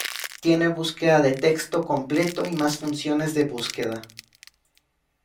Tiene búsqueda de texto completo y más funciones de búsqueda.